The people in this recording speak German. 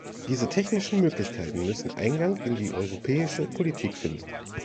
Diese technischen Möglichkeiten müssen Eingang in die europäische Politik finden.